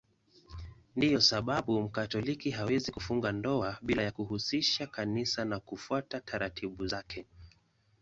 Ndiyo sababu Mkatoliki hawezi kufunga ndoa bila ya kuhusisha Kanisa na kufuata taratibu zake.